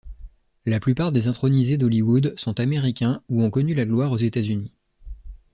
La plupart des intronisés d'Hollywood sont Américains ou ont connu la gloire aux États-Unis.